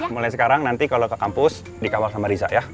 mulai sekarang nanti kalau ke kampus dikawal sama riza ya